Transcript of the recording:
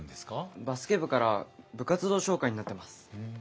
バスケ部から部活動紹介になってます。